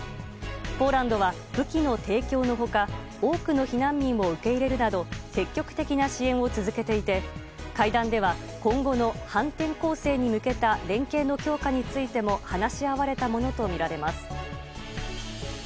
ポーランドは武器の提供の他多くの避難民を受け入れるなど積極的な支援を続けていて会談では今後の反転攻勢に向けた連携の強化についても話し合われたものとみられます。